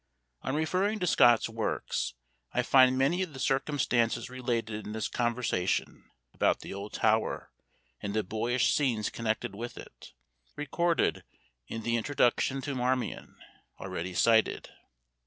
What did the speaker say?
On referring to Scott's works, I find many of the circumstances related in this conversation, about the old tower, and the boyish scenes connected with it, recorded in the introduction to Marmion, already cited.